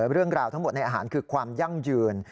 เรื่องราวทั้งหมดในอาหารคือความยั่งยืน